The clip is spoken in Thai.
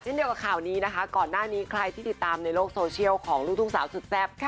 เดียวกับข่าวนี้นะคะก่อนหน้านี้ใครที่ติดตามในโลกโซเชียลของลูกทุ่งสาวสุดแซ่บ